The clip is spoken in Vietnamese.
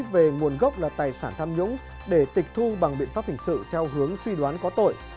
về nguồn gốc là tài sản tham nhũng để tịch thu bằng biện pháp hình sự theo hướng suy đoán có tội